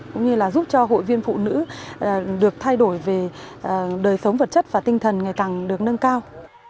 cũng như là giúp cho hội viên phụ nữ được thay đổi về đời sống vật chất và tinh thần ngày càng được nâng cao